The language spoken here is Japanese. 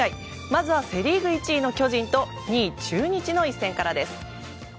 まずはセ・リーグ１位の巨人と２位、中日の１戦からです。